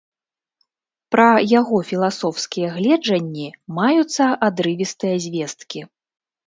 Пра яго філасофскія гледжанні маюцца адрывістыя звесткі.